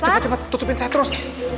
cepet cepet tutupin saya terus